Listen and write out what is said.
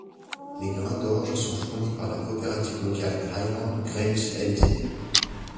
Les grains d'orges sont fournis par la coopérative locale Highland Grain Ltd.